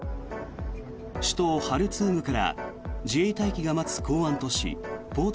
首都ハルツームから自衛隊機が待つ港湾都市ポート